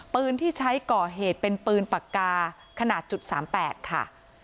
ปืนที่ใช้ก่อเหตุเป็นปืนปากกาขนาดจุดสามแปดค่ะ